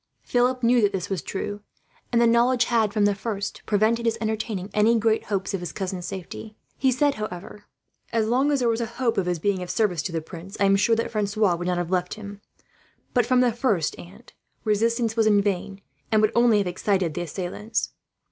Philip knew that this was so; and the knowledge had, from the first, prevented his entertaining any great hopes of his cousin's safety. However, he said: "As long as there was a hope of his being of service to the prince, I am sure that Francois would not have left him. But from the first, aunt, resistance was in vain, and would only have excited the assailants.